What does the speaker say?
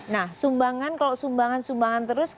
nah sumbangan kalau sumbangan sumbangan terus